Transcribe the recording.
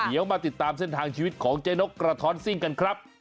เดี๋ยวมาติดตามเส้นทางชีวิตของเจ๊นกกระท้อนซิ่งกันครับ